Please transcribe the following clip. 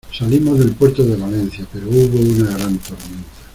salimos del puerto de Valencia, pero hubo una gran tormenta.